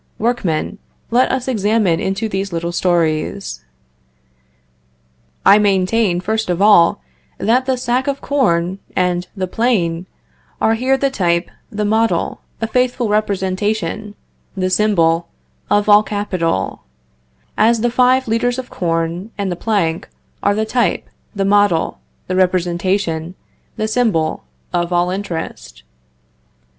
Workmen! let us examine into these little stories. I maintain, first of all, that the sack of corn and the plane are here the type, the model, a faithful representation, the symbol, of all capital; as the five litres of corn and the plank are the type, the model, the representation, the symbol, of all interest.